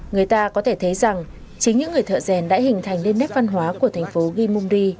người ta có thể thấy rằng chính những người thợ rèn đã hình thành lên nét văn hóa của thành phố gyumri